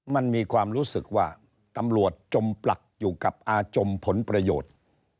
มันมีความรู้สึกว่าตำรวจจมปลักอยู่กับอาจมผลประโยชน์